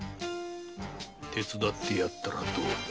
手伝ってやったらどうだ。